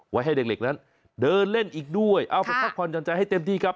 ไว้ให้เด็กนั้นเดินเล่นอีกด้วยเอาผักความจำใจให้เต็มที่ครับ